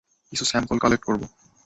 কিছু sample collect করব।